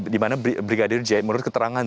di mana brigadir j menurut keterangan